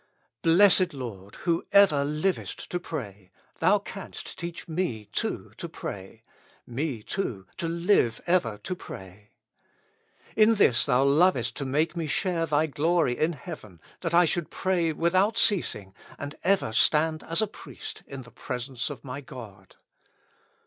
Blessed Lord ! who ever livest to pray, Thou canst teach me too to pray, me too to live ever to pray. In this Thou lovest to make me share Thy glory in heaven, that I should pray without ceasing, and ever stand as a priest in the presence of my God.